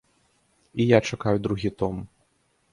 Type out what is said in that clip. І я чакаю другі том.